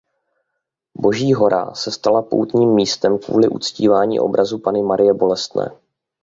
Boží hora se stala poutním místem kvůli uctívání obrazu Panny Marie Bolestné.